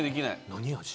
・何味？